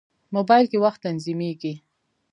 موبایل کې وخت تنظیمېږي.